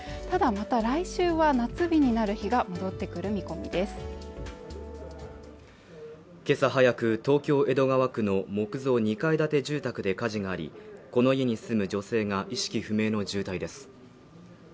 また来週は夏日になる日が戻ってくる見込みですけさ早く東京江戸川区の木造２階建て住宅で火事がありこの家に住む女性が意識不明の重体です